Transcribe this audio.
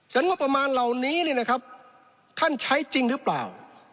งบประมาณเหล่านี้เนี่ยนะครับท่านใช้จริงหรือเปล่า